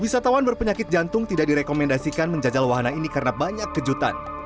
wisatawan berpenyakit jantung tidak direkomendasikan menjajal wahana ini karena banyak kejutan